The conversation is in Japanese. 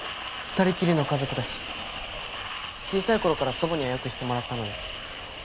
２人きりの家族だし小さい頃から祖母には良くしてもらったので。